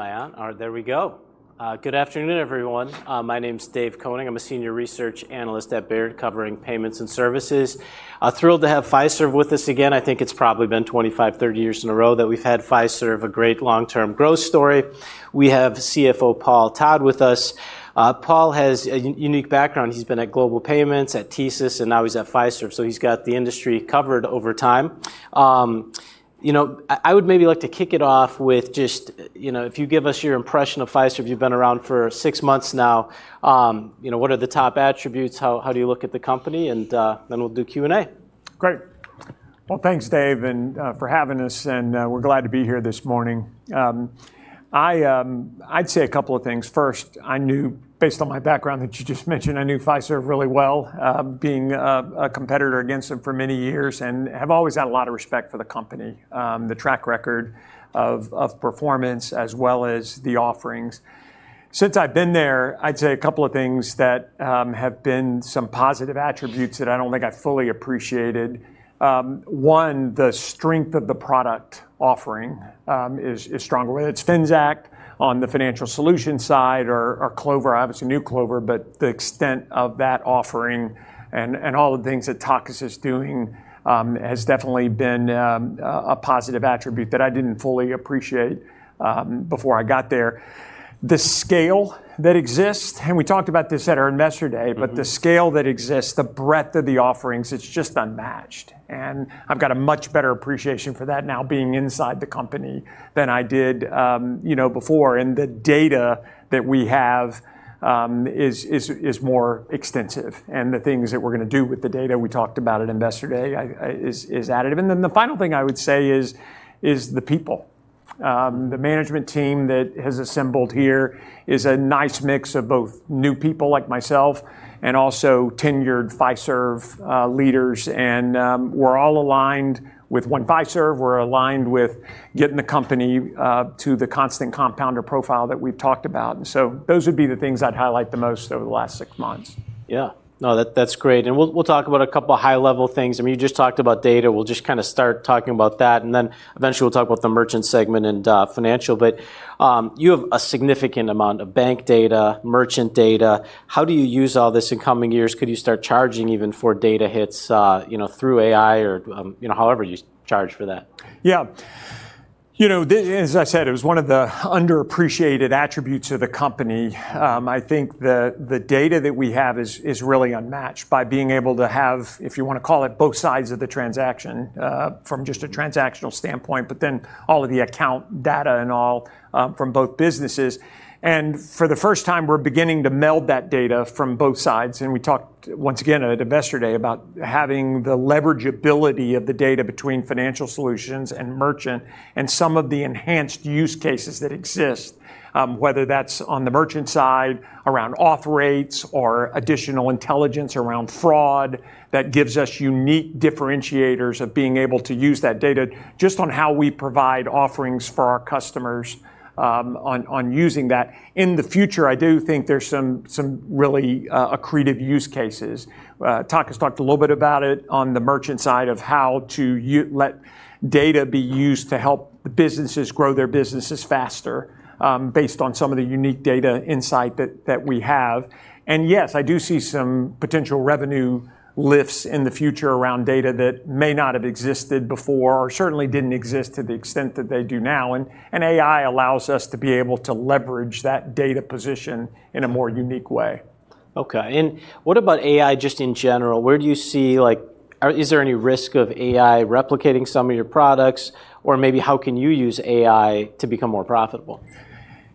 Am I on? There we go. Good afternoon, everyone. My name's David Koning. I'm a Senior Research Analyst at Baird, covering payments and services. Thrilled to have Fiserv with us again. I think it's probably been 25, 30 years in a row that we've had Fiserv, a great long-term growth story. We have CFO Paul Todd with us. Paul has a unique background. He's been at Global Payments, at TSYS, and now he's at Fiserv, so he's got the industry covered over time. I would maybe like to kick it off with just if you give us your impression of Fiserv. You've been around for six months now. What are the top attributes? How do you look at the company? Then we'll do Q&A. Great. Well, thanks, Dave, for having us. We're glad to be here this morning. I'd say a couple of things. First, based on my background that you just mentioned, I knew Fiserv really well, being a competitor against them for many years and have always had a lot of respect for the company, the track record of performance, as well as the offerings. Since I've been there, I'd say a couple of things that have been some positive attributes that I don't think I fully appreciated. One, the strength of the product offering is stronger, whether it's Finxact on the financial solutions side or Clover, obviously, new Clover. The extent of that offering and all the things that Takis is doing has definitely been a positive attribute that I didn't fully appreciate before I got there. The scale that exists, we talked about this at our Investor Day, the scale that exists, the breadth of the offerings, it's just unmatched. I've got a much better appreciation for that now, being inside the company, than I did before, the data that we have is more extensive. The things that we're going to do with the data we talked about at Investor Day is additive. The final thing I would say is the people. The management team that has assembled here is a nice mix of both new people like myself and also tenured Fiserv leaders, we're all aligned with One Fiserv. We're aligned with getting the company to the constant compounder profile that we've talked about. Those would be the things I'd highlight the most over the last six months. Yeah. No, that's great. We'll talk about a couple of high-level things. You just talked about data. We'll just start talking about that, and then eventually, we'll talk about the merchant segment and financial. You have a significant amount of bank data, merchant data. How do you use all this in coming years? Could you start charging even for data hits through AI or however you charge for that? As I said, it was one of the underappreciated attributes of the company. I think the data that we have is really unmatched by being able to have, if you want to call it, both sides of the transaction from just a transactional standpoint, but then all of the account data and all from both businesses. For the first time, we're beginning to meld that data from both sides, and we talked, once again, at Investor Day about having the leverageability of the data between financial solutions and merchant and some of the enhanced use cases that exist, whether that's on the merchant side around auth rates or additional intelligence around fraud that gives us unique differentiators of being able to use that data just on how we provide offerings for our customers on using that. In the future, I do think there's some really accretive use cases. Takis talked a little bit about it on the merchant side of how to let data be used to help the businesses grow their businesses faster based on some of the unique data insight that we have. Yes, I do see some potential revenue lifts in the future around data that may not have existed before or certainly didn't exist to the extent that they do now, and AI allows us to be able to leverage that data position in a more unique way. Okay. What about AI just in general? Is there any risk of AI replicating some of your products? Maybe how can you use AI to become more profitable?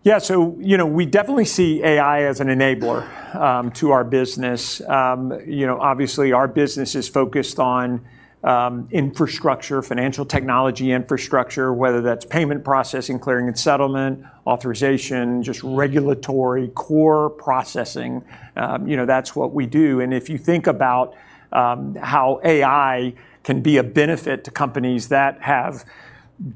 We definitely see AI as an enabler to our business. Obviously, our business is focused on infrastructure, financial technology infrastructure, whether that's payment processing, clearing and settlement, authorization, just regulatory core processing. That's what we do. If you think about how AI can be a benefit to companies that have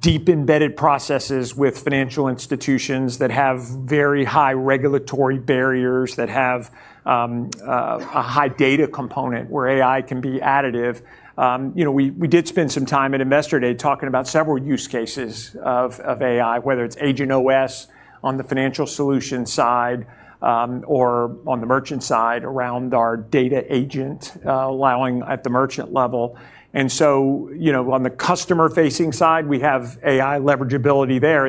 deep embedded processes with financial institutions that have very high regulatory barriers, that have a high data component where AI can be additive. We did spend some time at Investor Day talking about several use cases of AI, whether it's AgentOS on the financial solutions side or on the merchant side around our data agent allowing at the merchant level. On the customer-facing side, we have AI leverageability there.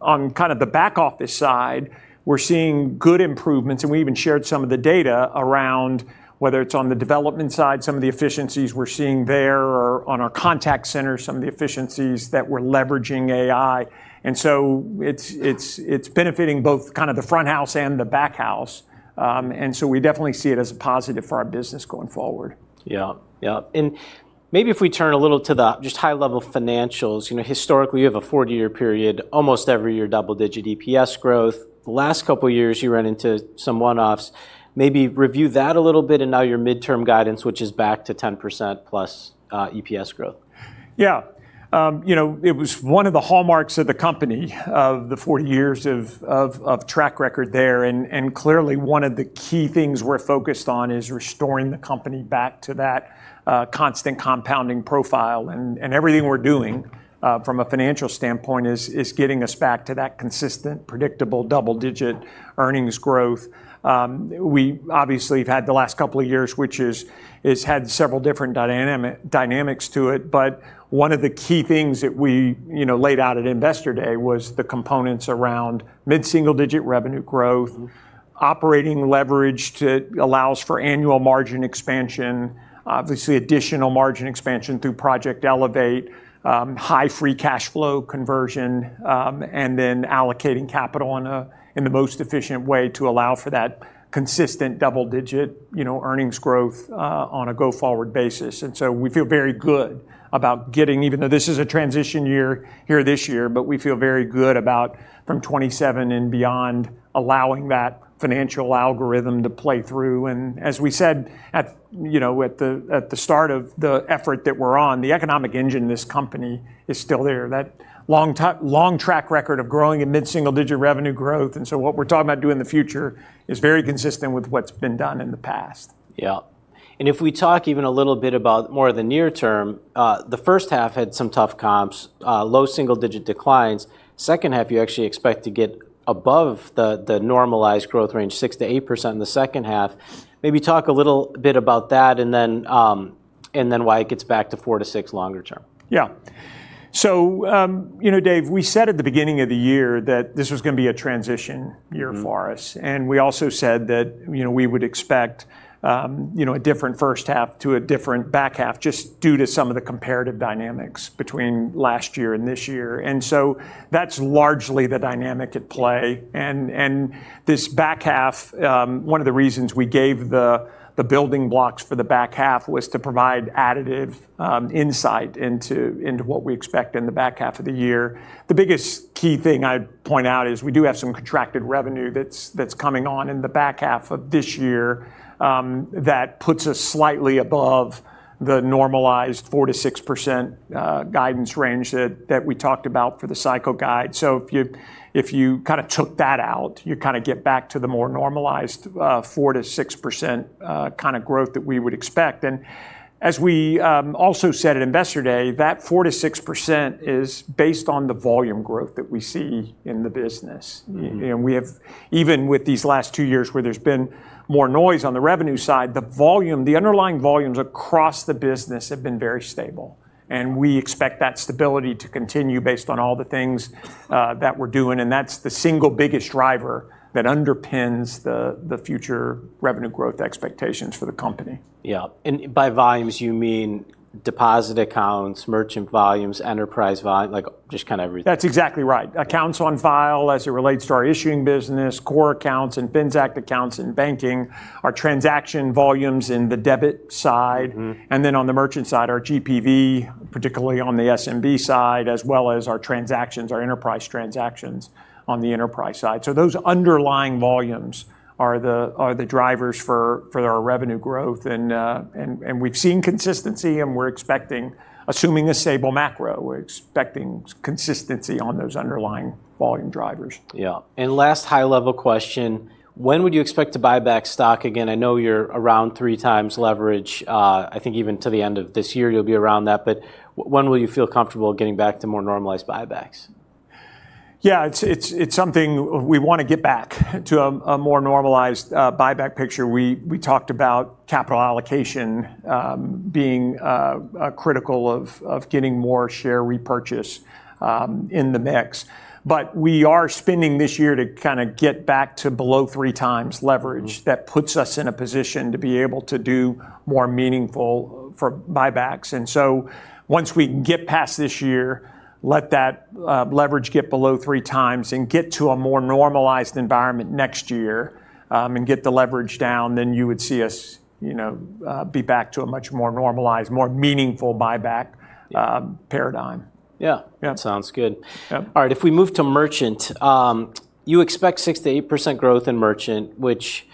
On the back office side, we're seeing good improvements, and we even shared some of the data around whether it's on the development side, some of the efficiencies we're seeing there, or on our contact center, some of the efficiencies that we're leveraging AI. It's benefiting both the front house and the back house. We definitely see it as a positive for our business going forward. Yeah. Maybe if we turn a little to the just high-level financials. Historically, you have a 40-year period, almost every year double-digit EPS growth. The last couple of years, you ran into some one-offs. Maybe review that a little bit and now your midterm guidance, which is back to 10%+ EPS growth. Yeah. It was one of the hallmarks of the company of the 40 years of track record there, clearly, one of the key things we're focused on is restoring the company back to that constant compounding profile. Everything we're doingFrom a financial standpoint is getting us back to that consistent, predictable double-digit earnings growth. We obviously have had the last couple of years, which has had several different dynamics to it. One of the key things that we laid out at Investor Day was the components around mid-single-digit revenue growth, operating leverage that allows for annual margin expansion. Obviously, additional margin expansion through Project Elevate, high free cash flow conversion, then allocating capital in the most efficient way to allow for that consistent double-digit earnings growth on a go-forward basis. We feel very good about getting, even though this is a transition year here this year, but we feel very good about from 2027 and beyond allowing that financial algorithm to play through. As we said at the start of the effort that we're on, the economic engine of this company is still there. That long track record of growing a mid-single-digit revenue growth. What we're talking about doing in the future is very consistent with what's been done in the past. Yeah. If we talk even a little bit about more of the near term, the first half had some tough comps, low single-digit declines. Second half, you actually expect to get above the normalized growth range, 6%-8% in the second half. Maybe talk a little bit about that and then why it gets back to four to six longer term. Yeah. Dave, we said at the beginning of the year that this was going to be a transition year for us. We also said that we would expect a different first half to a different back half just due to some of the comparative dynamics between last year and this year. That's largely the dynamic at play. This back half, one of the reasons we gave the building blocks for the back half was to provide additive insight into what we expect in the back half of the year. The biggest key thing I'd point out is we do have some contracted revenue that's coming on in the back half of this year. That puts us slightly above the normalized 4%-6% guidance range that we talked about for the cycle guide. If you took that out, you get back to the more normalized 4%-6% growth that we would expect. As we also said at Investor Day, that 4%-6% is based on the volume growth that we see in the business. Even with these last two years where there's been more noise on the revenue side, the underlying volumes across the business have been very stable, and we expect that stability to continue based on all the things that we're doing, and that's the single biggest driver that underpins the future revenue growth expectations for the company. Yeah. By volumes, you mean deposit accounts, merchant volumes, enterprise vol, like just kind of everything? That's exactly right. Accounts on file as it relates to our issuing business, core accounts and Finxact accounts in banking, our transaction volumes in the debit side. On the merchant side, our GPV, particularly on the SMB side, as well as our transactions, our enterprise transactions on the enterprise side. Those underlying volumes are the drivers for our revenue growth. We've seen consistency, and we're expecting, assuming a stable macro, we're expecting consistency on those underlying volume drivers. Yeah. Last high-level question, when would you expect to buy back stock again? I know you're around 3 times leverage. I think even to the end of this year, you'll be around that. When will you feel comfortable getting back to more normalized buybacks? Yeah, it's something we want to get back to a more normalized buyback picture. We talked about capital allocation being critical of getting more share repurchase in the mix. But we are spending this year to kind of get back to below 3x leverage. That puts us in a position to be able to do more meaningful for buybacks. Once we get past this year, let that leverage get below three times and get to a more normalized environment next year, and get the leverage down, then you would see us be back to a much more normalized, more meaningful buyback paradigm. Yeah. Yeah. Sounds good. Yeah. All right. If we move to merchant, you expect 6%-8% growth in merchant, which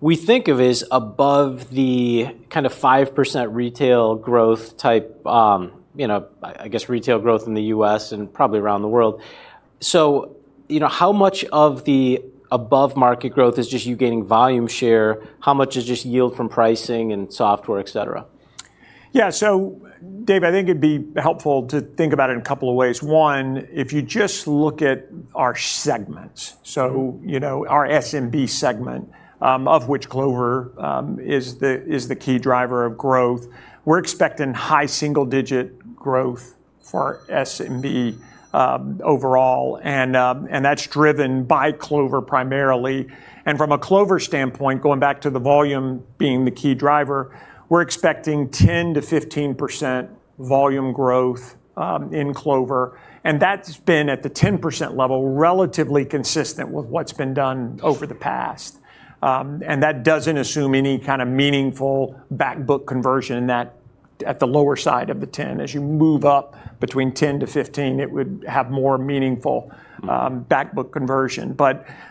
we think of as above the kind of 5% retail growth type, I guess retail growth in the U.S. and probably around the world. How much of the above-market growth is just you gaining volume share? How much is just yield from pricing and software, et cetera? Dave, I think it'd be helpful to think about it in a couple of ways. One, if you just look at our segments, so our SMB segment, of which Clover is the key driver of growth, we're expecting high single-digit growth for SMB overall, and that's driven by Clover primarily. From a Clover standpoint, going back to the volume being the key driver, we're expecting 10%-15% volume growth in Clover, and that's been at the 10% level, relatively consistent with what's been done over the past. That doesn't assume any kind of meaningful back book conversion at the lower side of the 10. As you move up between 10-15, it would have more meaningful back-book conversion.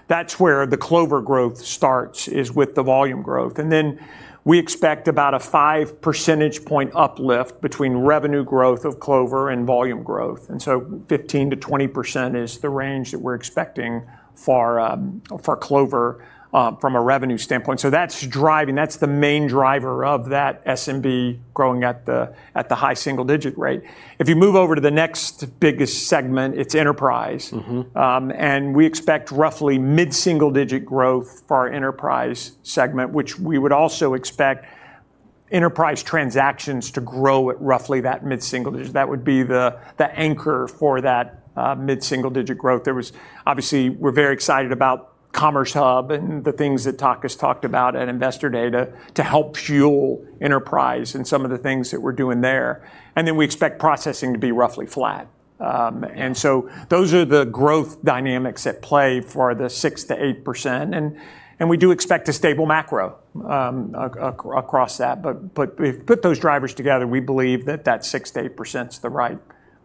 That's where the Clover growth starts, is with the volume growth. Then we expect about a 5 percentage point uplift between revenue growth of Clover and volume growth. 15%-20% is the range that we're expecting for Clover from a revenue standpoint. That's driving. That's the main driver of that SMB growing at the high single-digit rate. If you move over to the next biggest segment, it's enterprise. We expect roughly mid-single-digit growth for our Enterprise segment, which we would also expect Enterprise transactions to grow at roughly that mid-single digit. That would be the anchor for that mid-single-digit growth. Obviously, we're very excited about Commerce Hub and the things that Takis talked about at Investor Day to help fuel Enterprise and some of the things that we're doing there. Then we expect processing to be roughly flat. Yeah. Those are the growth dynamics at play for the 6%-8%. We do expect a stable macro across that. If we put those drivers together, we believe that 6%-8% is the right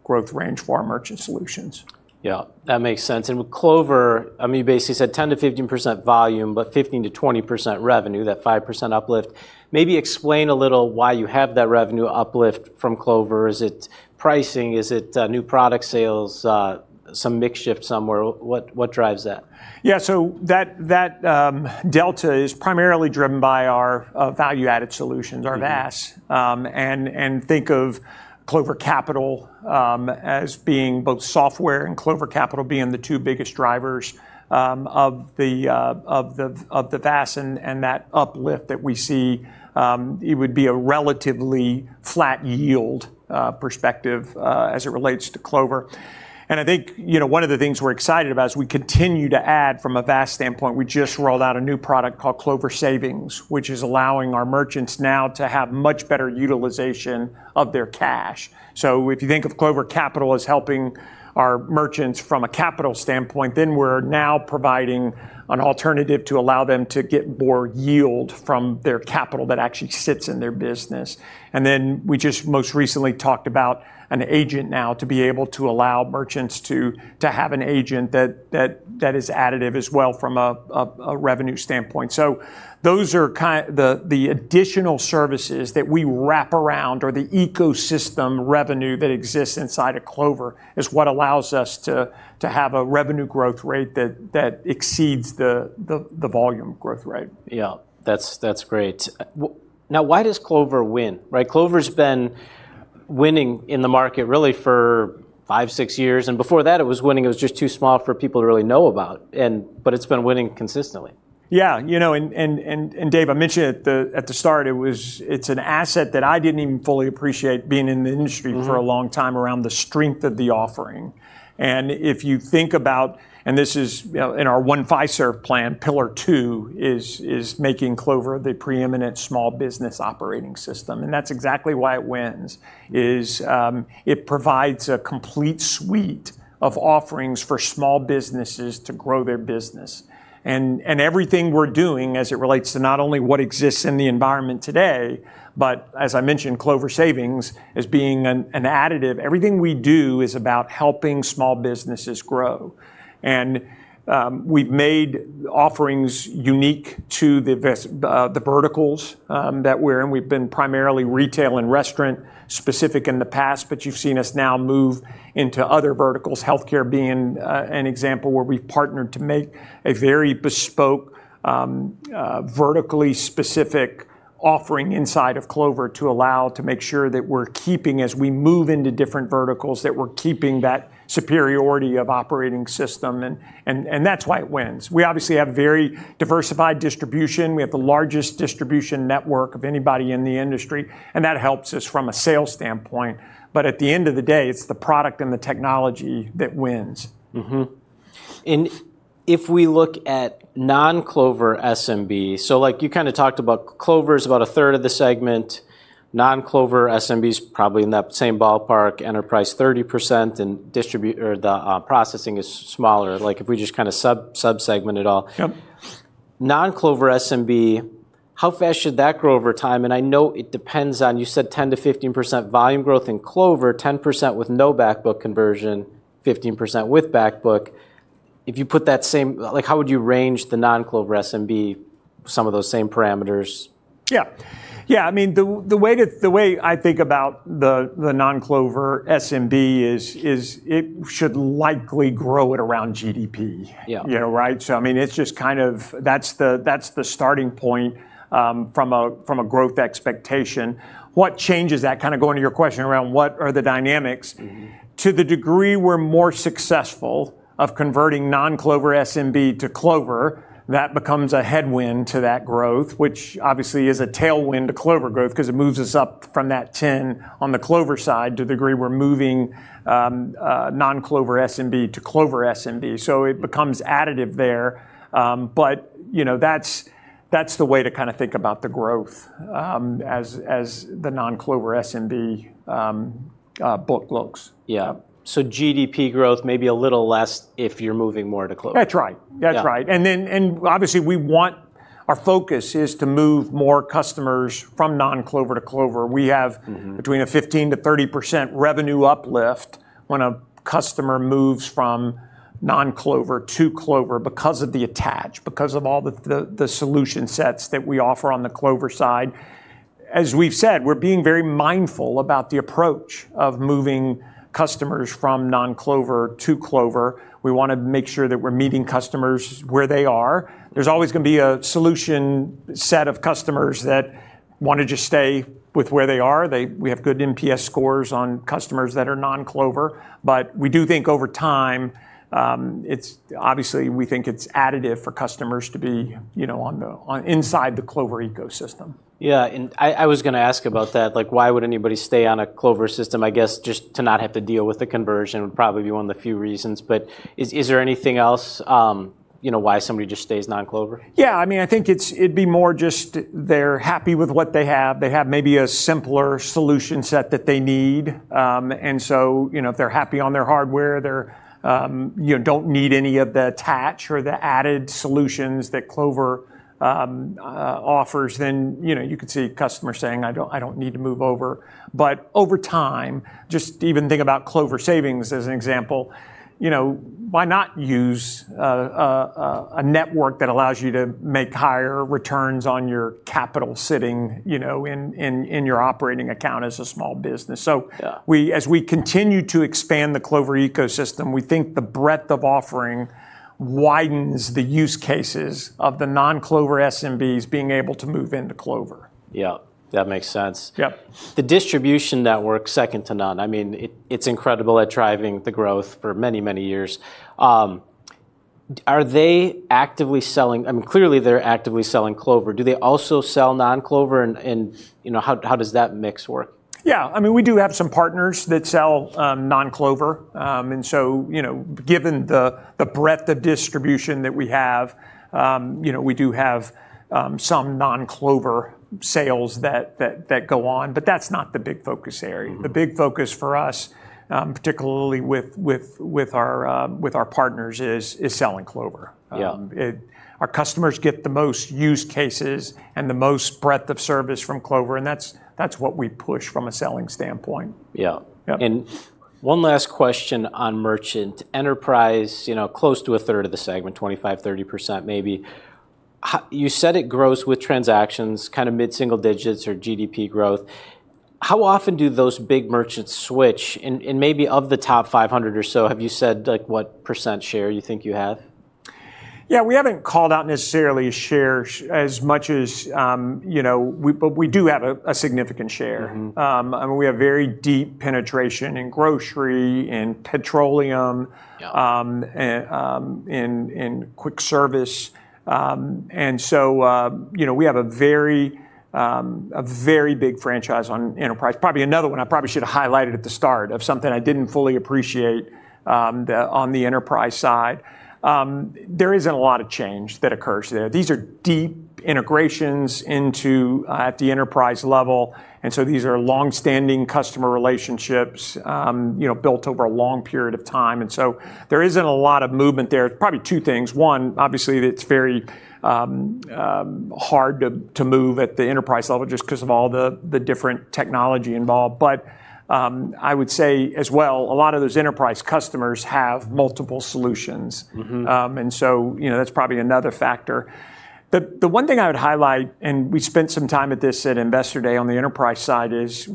growth range for our merchant solutions. That makes sense. With Clover, you basically said 10%-15% volume, but 15%-20% revenue, that 5% uplift. Maybe explain a little why you have that revenue uplift from Clover. Is it pricing? Is it new product sales, some mix shift somewhere? What drives that? Yeah. That delta is primarily driven by our value-added solutions our VAS. Think of Clover Capital as being both software and Clover Capital being the two biggest drivers of the VAS and that uplift that we see. It would be a relatively flat yield perspective as it relates to Clover. I think, one of the things we're excited about, as we continue to add from a VAS standpoint, we just rolled out a new product called Clover Savings, which is allowing our merchants now to have much better utilization of their cash. If you think of Clover Capital as helping our merchants from a capital standpoint, we're now providing an alternative to allow them to get more yield from their capital that actually sits in their business. We just most recently talked about an agent now to be able to allow merchants to have an agent that is additive as well from a revenue standpoint. Those are the additional services that we wrap around or the ecosystem revenue that exists inside of Clover, is what allows us to have a revenue growth rate that exceeds the volume growth rate. Yeah. That's great. Now why does Clover win? Clover's been winning in the market really for five, six years, and before that it was winning. It was just too small for people to really know about, but it's been winning consistently. Yeah. Dave, I mentioned it at the start, it's an asset that I didn't even fully appreciate being in the industry. For a long time around the strength of the offering. If you think about, and this is in our One Fiserv Plan, pillar two, is making Clover the preeminent small business operating system. That's exactly why it wins, is it provides a complete suite of offerings for small businesses to grow their business. Everything we're doing as it relates to not only what exists in the environment today, but as I mentioned, Clover Savings as being an additive, everything we do is about helping small businesses grow. We've made offerings unique to the verticals that we're in. We've been primarily retail and restaurant specific in the past, but you've seen us now move into other verticals, healthcare being an example where we've partnered to make a very bespoke, vertically specific offering inside of Clover to allow to make sure that as we move into different verticals, that we're keeping that superiority of operating system, and that's why it wins. We obviously have very diversified distribution. We have the largest distribution network of anybody in the industry, and that helps us from a sales standpoint. At the end of the day, it's the product and the technology that wins. If we look at non-Clover SMB, so you talked about Clover is about a third of the segment. Non-Clover SMB is probably in that same ballpark, enterprise 30%, and the processing is smaller, if we just sub-segment it all. Yep. Non-Clover SMB, how fast should that grow over time? I know it depends on, you said 10%-15% volume growth in Clover, 10% with no back book conversion, 15% with back book. How would you range the non-Clover SMB, some of those same parameters? Yeah. The way I think about the non-Clover SMB is it should likely grow at around GDP. Yeah. Right? That's the starting point from a growth expectation. What changes that, going to your question around what are the dynamics to the degree we're more successful of converting non-Clover SMB to Clover, that becomes a headwind to that growth, which obviously is a tailwind to Clover growth because it moves us up from that 10 on the Clover side to the degree we're moving non-Clover SMB to Clover SMB. It becomes additive there. That's the way to think about the growth as the non-Clover SMB book looks. Yeah. GDP growth, maybe a little less if you're moving more to Clover. That's right. Yeah. Obviously our focus is to move more customers from non-Clover to Clover. We have between a 15%-30% revenue uplift when a customer moves from non-Clover to Clover because of the attach, because of all the solution sets that we offer on the Clover side. As we've said, we're being very mindful about the approach of moving customers from non-Clover to Clover. We want to make sure that we're meeting customers where they are. There's always going to be a solution set of customers that want to just stay with where they are. We have good NPS scores on customers that are non-Clover, but we do think over time, obviously, we think it's additive for customers to be inside the Clover ecosystem. Yeah. I was going to ask about that. Why would anybody stay on a Clover system? I guess just to not have to deal with the conversion would probably be one of the few reasons, but is there anything else why somebody just stays non-Clover? Yeah, I think it'd be more just they're happy with what they have. They have maybe a simpler solution set that they need. If they're happy on their hardware, they don't need any of the attach or the added solutions that Clover offers, then you could see customers saying, "I don't need to move over." Over time, just even think about Clover Savings as an example. Why not use a network that allows you to make higher returns on your capital sitting in your operating account as a small business? Yeah. As we continue to expand the Clover ecosystem, we think the breadth of offering widens the use cases of the non-Clover SMBs being able to move into Clover. Yeah. That makes sense. Yep. The distribution network's second to none. It's incredible at driving the growth for many, many years. Are they actively selling? Clearly, they're actively selling Clover. Do they also sell non-Clover, and how does that mix work? We do have some partners that sell non-Clover. Given the breadth of distribution that we have, we do have some non-Clover sales that go on, but that's not the big focus area. The big focus for us, particularly with our partners is selling Clover. Yeah. Our customers get the most use cases and the most breadth of service from Clover, and that's what we push from a selling standpoint. Yeah. Yeah. One last question on merchant enterprise, close to a third of the segment, 25%, 30%, maybe. You said it grows with transactions, mid-single digits or GDP growth. How often do those big merchants switch? Maybe of the top 500 or so, have you said what % share you think you have? Yeah. We haven't called out necessarily shares. We do have a significant share. We have very deep penetration in grocery, in petroleum- Yeah In quick service. We have a very big franchise on enterprise. Probably another one I probably should've highlighted at the start of something I didn't fully appreciate on the enterprise side. There isn't a lot of change that occurs there. These are deep integrations at the enterprise level, and so these are longstanding customer relationships built over a long period of time. There isn't a lot of movement there. Probably two things. One, obviously, it's very hard to move at the enterprise level just because of all the different technology involved. I would say as well, a lot of those enterprise customers have multiple solutions. That's probably another factor. The one thing I would highlight, and we spent some time at this at Investor Day on the enterprise side, is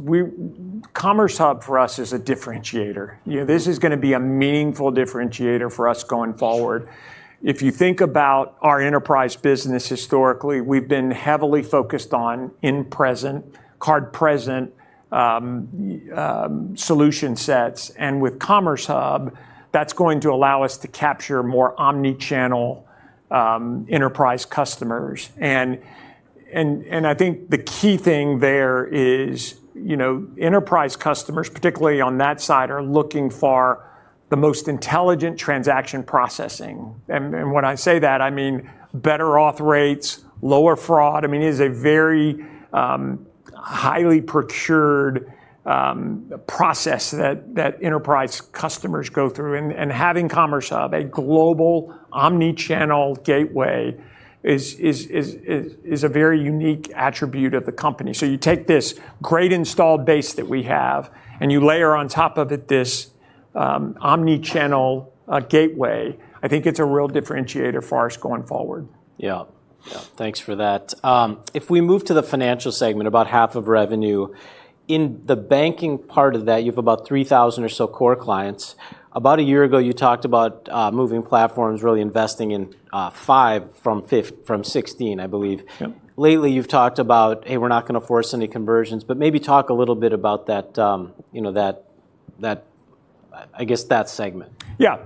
Commerce Hub for us is a differentiator. This is going to be a meaningful differentiator for us going forward. If you think about our enterprise business historically, we've been heavily focused on in-present, card-present solution sets. With Commerce Hub, that's going to allow us to capture more omni-channel enterprise customers. I think the key thing there is enterprise customers, particularly on that side, are looking for the most intelligent transaction processing. When I say that, I mean better authorization rates, lower fraud, it is a very highly procured process that enterprise customers go through. Having Commerce Hub, a global omni-channel gateway, is a very unique attribute of the company. You take this great installed base that we have, and you layer on top of it this omni-channel gateway. I think it's a real differentiator for us going forward. Yeah. Thanks for that. We move to the financial segment, about half of revenue. In the banking part of that, you have about 3,000 or so core clients. About a year ago, you talked about moving platforms, really investing in five from 16, I believe. Yep. Lately, you've talked about, "Hey, we're not going to force any conversions." Maybe talk a little bit about that segment. Yeah.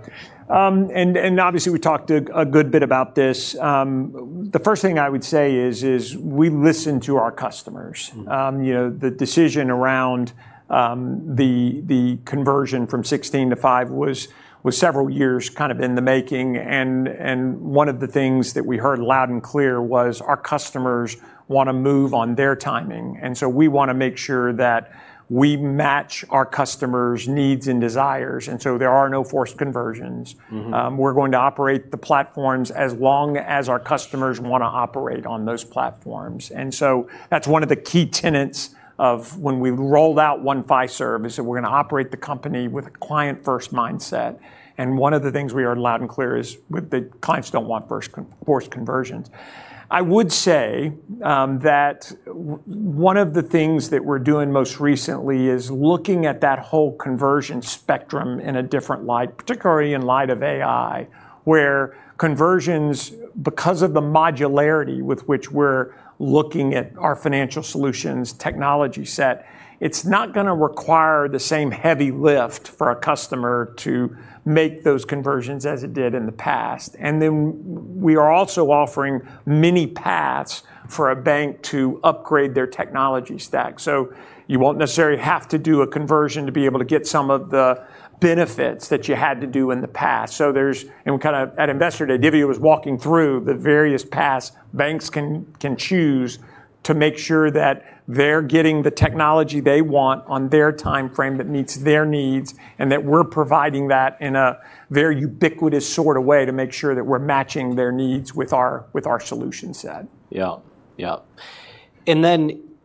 Obviously we talked a good bit about this. The first thing I would say is we listen to our customers. The decision around the conversion from 16 to 5 was several years in the making, and one of the things that we heard loud and clear was our customers want to move on their timing. We want to make sure that we match our customers' needs and desires, and so there are no forced conversions. We're going to operate the platforms as long as our customers want to operate on those platforms. That's one of the key tenets of when we rolled out One Fiserv, is that we're going to operate the company with a client-first mindset. One of the things we heard loud and clear is the clients don't want forced conversions. I would say that one of the things that we're doing most recently is looking at that whole conversion spectrum in a different light, particularly in light of AI, where conversions, because of the modularity with which we're looking at our financial solutions technology set, it's not going to require the same heavy lift for a customer to make those conversions as it did in the past. We are also offering many paths for a bank to upgrade their technology stack. You won't necessarily have to do a conversion to be able to get some of the benefits that you had to do in the past. At Investor Day, Dhivya was walking through the various paths banks can choose to make sure that they're getting the technology they want on their timeframe that meets their needs, and that we're providing that in a very ubiquitous sort of way to make sure that we're matching their needs with our solution set. Yeah.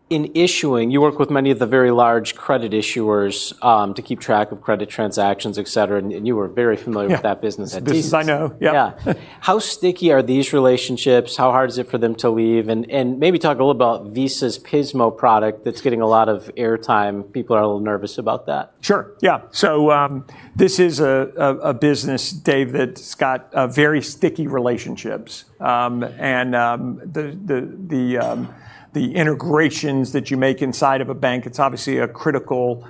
In issuing, you work with many of the very large credit issuers to keep track of credit transactions, et cetera, and you are very familiar with that business at TSYS. Yeah, this business I know. Yep. Yeah. How sticky are these relationships? How hard is it for them to leave? Maybe talk a little about TSYS's Pismo product that's getting a lot of air time. People are a little nervous about that. Sure. Yeah. This is a business, Dave, that's got very sticky relationships. The integrations that you make inside of a bank, it's obviously a critical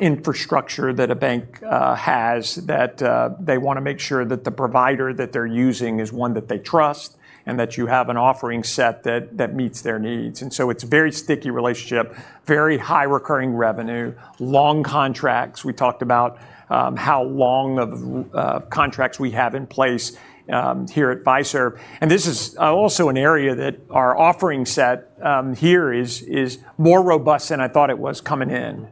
infrastructure that a bank has that they want to make sure that the provider that they're using is one that they trust and that you have an offering set that meets their needs. It's a very sticky relationship, very high recurring revenue, long contracts. We talked about how long of contracts we have in place here at Fiserv. This is also an area that our offering set here is more robust than I thought it was coming in,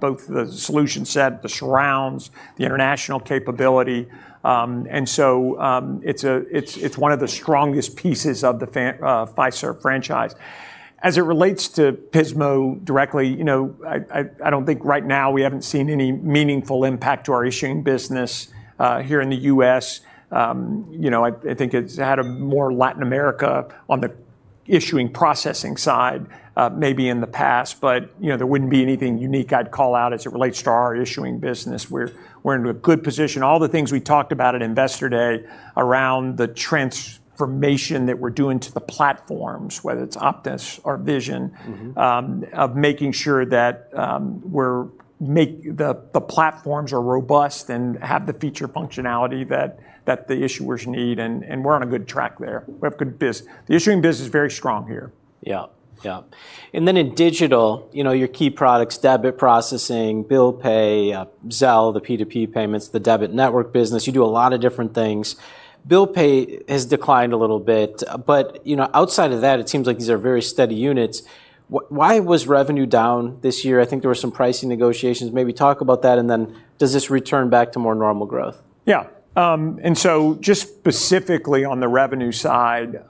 both the solution set, the surrounds, the international capability. It's one of the strongest pieces of the Fiserv franchise. As it relates to Pismo directly, I don't think right now we haven't seen any meaningful impact to our issuing business here in the U.S. I think it's had a more Latin America on the issuing processing side, maybe in the past, but there wouldn't be anything unique I'd call out as it relates to our issuing business. We're in a good position. All the things we talked about at Investor Day around the transformation that we're doing to the platforms, whether it's Optis or VisionPLUS- of making sure that the platforms are robust and have the feature functionality that the issuers need and we're on a good track there. We have good business. The issuing business is very strong here. Yeah. In digital, your key products, debit processing, bill pay, Zelle, the P2P payments, the debit network business, you do a lot of different things. Bill pay has declined a little bit, but outside of that, it seems like these are very steady units. Why was revenue down this year? I think there were some pricing negotiations, maybe talk about that, and then does this return back to more normal growth? Yeah. Just specifically on the revenue side,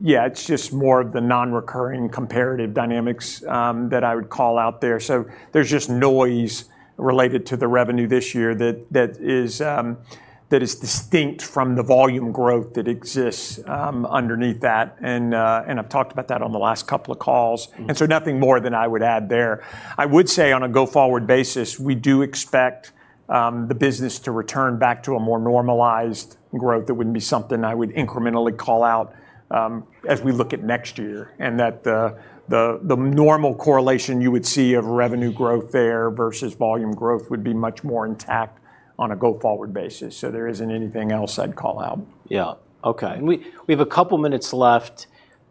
yeah, it's just more of the non-recurring comparative dynamics that I would call out there. There's just noise related to the revenue this year that is distinct from the volume growth that exists underneath that, and I've talked about that on the last couple of calls. Nothing more than I would add there. I would say on a go-forward basis, we do expect the business to return back to a more normalized growth. That wouldn't be something I would incrementally call out as we look at next year, and that the normal correlation you would see of revenue growth there versus volume growth would be much more intact on a go-forward basis. There isn't anything else I'd call out. Yeah. Okay. We have a couple minutes left.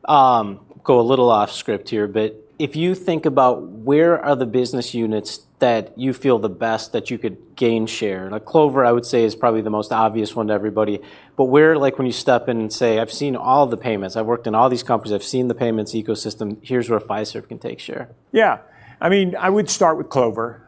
Go a little off script here. If you think about where are the business units that you feel the best that you could gain share. Clover, I would say is probably the most obvious one to everybody. Where when you step in and say, "I've seen all the payments. I've worked in all these companies, I've seen the payments ecosystem. Here's where Fiserv can take share. Yeah. I would start with Clover-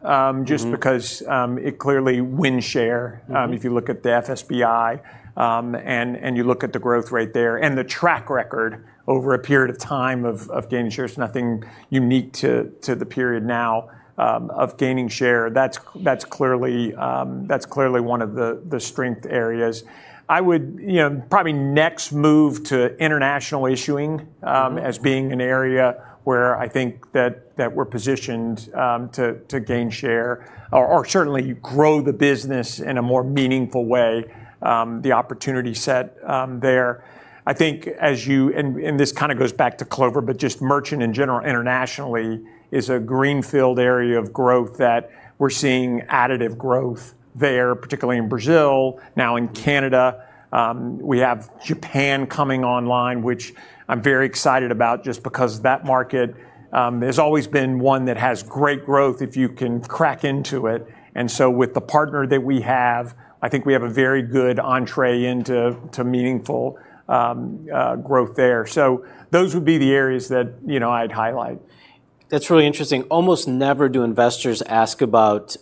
Just because it clearly wins share. If you look at the FSBI, and you look at the growth rate there, and the track record over a period of time of gaining shares, nothing unique to the period now of gaining share. That's clearly one of the strength areas. I would probably next move to international issuing as being an area where I think that we're positioned to gain share or certainly grow the business in a more meaningful way, the opportunity set there. I think as you, this goes back to Clover, but just merchant in general internationally is a greenfield area of growth that we're seeing additive growth there, particularly in Brazil, now in Canada. We have Japan coming online, which I'm very excited about just because that market has always been one that has great growth if you can crack into it. With the partner that we have, I think we have a very good entree into meaningful growth there. Those would be the areas that I'd highlight. That's really interesting. Almost never do investors ask about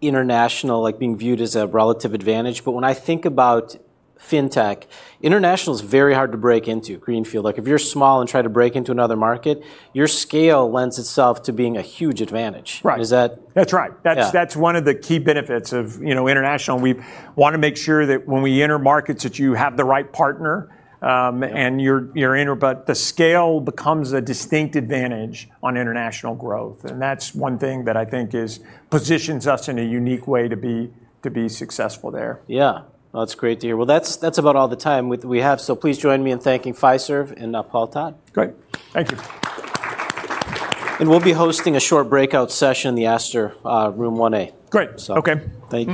international being viewed as a relative advantage. When I think about fintech, international is very hard to break into greenfield. If you're small and try to break into another market, your scale lends itself to being a huge advantage. Right. Is that? That's right. Yeah. That's one of the key benefits of international, and we want to make sure that when we enter markets that you have the right partner. You're in, but the scale becomes a distinct advantage on international growth. That's one thing that I think positions us in a unique way to be successful there. Yeah. Well, that's great to hear. Well, that's about all the time we have, so please join me in thanking Fiserv and Paul Todd. Great. Thank you. We'll be hosting a short breakout session in the Astor Room 1A. Great. Okay. Thank you.